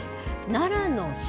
奈良の鹿。